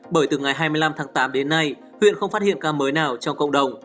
bởi từ ngày hai mươi năm tháng tám đến nay huyện không phát hiện ca mới nào trong cộng đồng